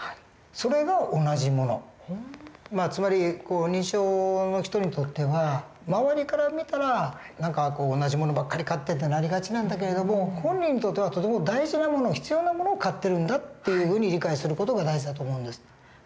つまり認知症の人にとっては周りから見たら何か「同じ物ばっかり買って」ってなりがちなんだけれども本人にとってはとても大事な物必要な物を買ってるんだっていうふうに理解する事が大事だと思うんです。